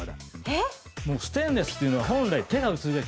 ステンレスっていうのは本来。